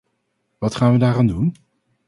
Wat gaan we daar aan doen?